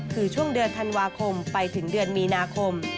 คือช่วงเดือนธันวาคมไปถึงเดือนมีนาคม